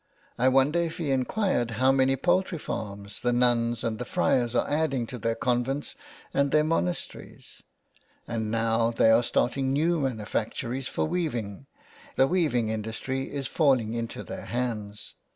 I wonder if he inquired how many poultry farms the 378 THE WILD GOOSE. nuns and the friars are adding to their convents and their monasteries ; and now they are starting new manufactories for weaving — the weaving industry is falling into their hands.